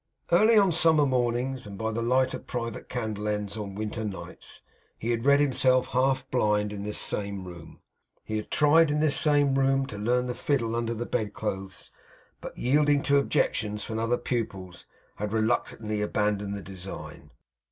Early on summer mornings, and by the light of private candle ends on winter nights, he had read himself half blind in this same room. He had tried in this same room to learn the fiddle under the bedclothes, but yielding to objections from the other pupils, had reluctantly abandoned the design.